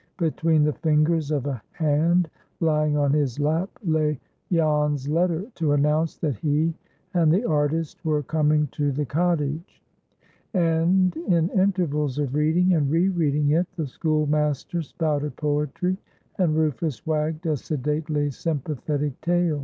Between the fingers of a hand lying on his lap lay Jan's letter to announce that he and the artist were coming to the cottage, and in intervals of reading and re reading it the schoolmaster spouted poetry, and Rufus wagged a sedately sympathetic tail.